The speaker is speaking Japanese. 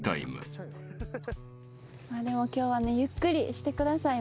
今日はゆっくりしてください。